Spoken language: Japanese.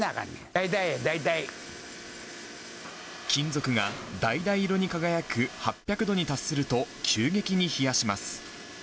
だいだいや、金属がだいだい色に輝く８００度に達すると、急激に冷やします。